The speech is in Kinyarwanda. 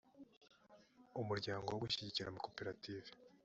umuryango wo gushyigikira amakoperative